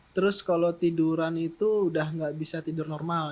terus kalau tiduran itu sudah tidak bisa tidur normal